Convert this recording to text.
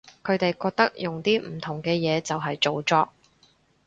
佢哋覺得用啲唔同嘅嘢就係造作